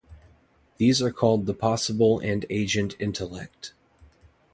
These are called the possible and agent intellect.